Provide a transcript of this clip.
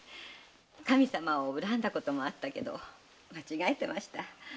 神様を恨んだこともあったけど間違えてました。